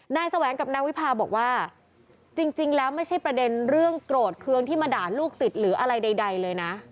แสวงกับนางวิพาบอกว่าจริงแล้วไม่ใช่ประเด็นเรื่องโกรธเคืองที่มาด่าลูกศิษย์หรืออะไรใดเลยนะ